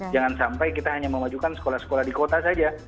jangan sampai kita hanya memajukan sekolah sekolah di kota saja